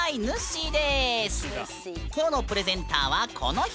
きょうのプレゼンターはこの人！